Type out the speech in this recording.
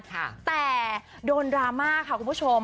แต่โดนดราม่าค่ะคุณผู้ชม